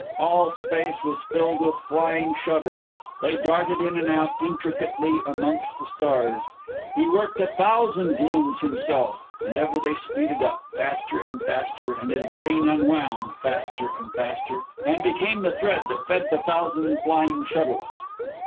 All space was filled with flying shuttles. They darted in and out, intricately, amongst the stars. He worked a thousand looms himself, and ever they speeded up, faster and faster, and his brain unwound, faster and faster, and became the thread that fed the thousand flying shuttles.